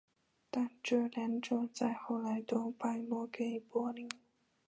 但这两者在后来都落败给柏林。